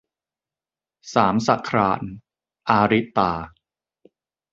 สามสะคราญ - อาริตา